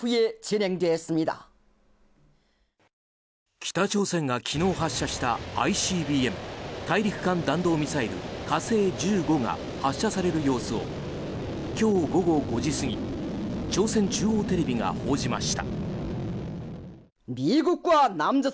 北朝鮮が昨日発射したＩＣＢＭ・大陸間弾道ミサイル火星１５が発射される様子を今日午後５時過ぎ朝鮮中央テレビが報じました。